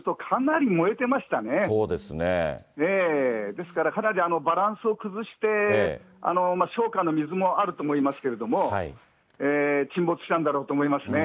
ですから、かなりバランスを崩して、消火の水もあると思いますけれども、沈没したんだろうと思いますね。